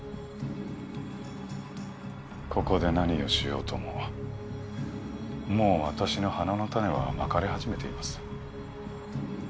ここで何をしようとももう私の花の種はまかれ始めています。